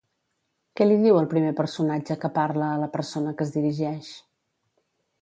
Què li diu el primer personatge que parla a la persona que es dirigeix?